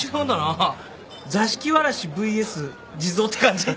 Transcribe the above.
座敷わらしＶＳ地蔵って感じ？